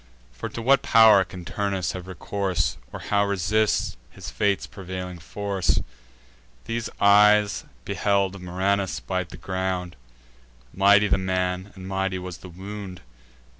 For to what pow'r can Turnus have recourse, Or how resist his fate's prevailing force? These eyes beheld Murranus bite the ground: Mighty the man, and mighty was the wound.